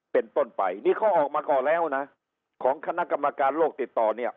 เป็นต้นไปนี่เขาออกมาก่อนแล้วนะของคณะกรรมการโลกติดต่อเนี่ย